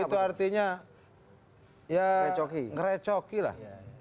itu artinya ya ngerecoki lah